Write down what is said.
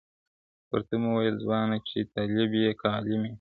• ورته و مي ویل ځوانه چي طالب یې که عالم یې,